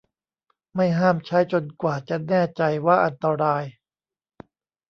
ไม่ห้ามใช้จนกว่าจะแน่ใจว่าอันตราย